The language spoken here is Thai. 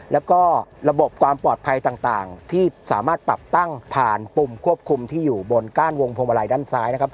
แล้วก็ระบบความปลอดภัยต่างที่สามารถปรับตั้งผ่านปุ่มควบคุมที่อยู่บนก้านวงพวงมาลัยด้านซ้ายนะครับ